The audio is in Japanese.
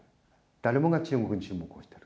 誰もが中国に注目している。